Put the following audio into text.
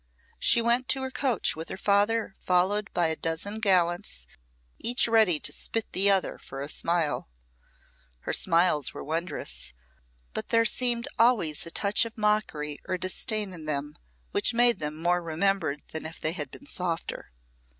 She went to her coach with her father followed by a dozen gallants, each ready to spit the other for a smile. Her smiles were wondrous, but there seemed always a touch of mockery or disdain in them which made them more remembered than if they had been softer.